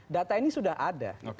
data ini sudah ada